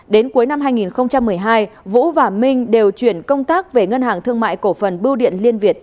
đến cuối năm hai nghìn một mươi hai vũ và minh đều chuyển công tác về ngân hàng thương mại cổ phần bưu điện liên việt